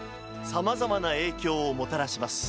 さまざまな影響をもたらします。